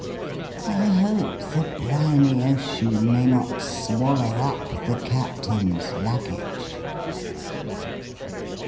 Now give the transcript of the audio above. I hope the briny ocean may not swallow up the Captain's luggage."